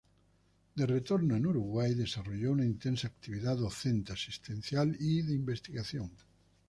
De retorno en Uruguay, desarrolló una intensa actividad docente, asistencial y de investigación.